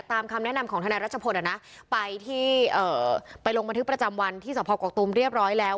แต่ตามคำแนะนำของธนายรัชพลไปลงบันทึกประจำวันที่สภาพกรกตุมเรียบร้อยแล้ว